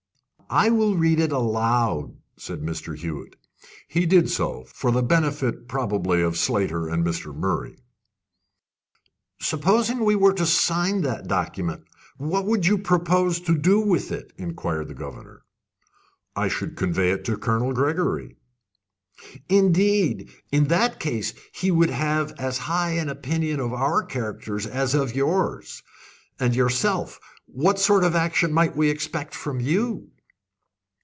"I will read it aloud," said Mr. Hewett. He did so for the benefit, probably, of Slater and Mr. Murray. "Supposing we were to sign that document, what would you propose to do with it?" inquired the governor. "I should convey it to Colonel Gregory." "Indeed! In that case he would have as high an opinion of our characters as of yours. And yourself what sort of action might we expect from you?"